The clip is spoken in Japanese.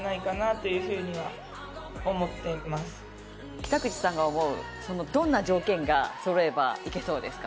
北口さんが思う、どんな条件がそろえばいけそうでうか？